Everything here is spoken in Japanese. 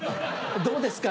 どうですか？